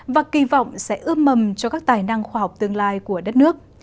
và kỳ vọng sẽ ưm mầm cho các tài năng khoa học tương lai của đất nước